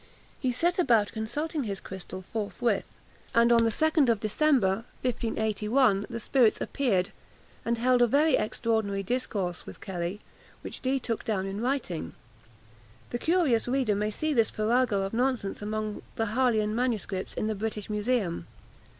He set about consulting his crystal forthwith, and on the 2d of December, 1581, the spirits appeared, and held a very extraordinary discourse with Kelly, which Dee took down in writing. The curious reader may see this farrago of nonsense among the Harleian Mss. in the British Museum.